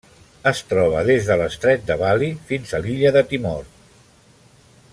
Es troba des de l'estret de Bali fins a l'illa de Timor.